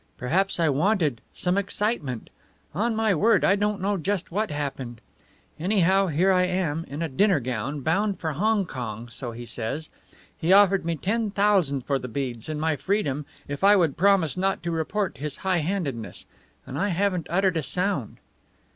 Perhaps I wanted some excitement. On my word, I don't know just what happened. Anyhow, here I am in a dinner gown, bound for Hong Kong, so he says. He offered me ten thousand for the beads, and my freedom, if I would promise not to report his high handedness; and I haven't uttered a sound."